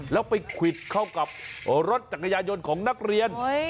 แล้วไปควิดเข้ากับรถจักรยายนต์ของนักเรียน